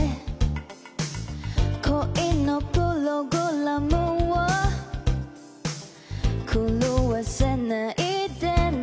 「恋のプログラムを狂わせないでね」